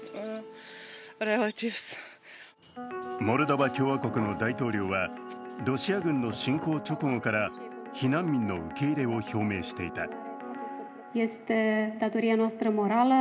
モルドバ共和国の大統領はロシア軍の侵攻直後から避難民の受け入れを表明していた。